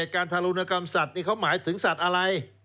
กรรมสัตว์นี้เขาหมายถึงสัตว์อะไร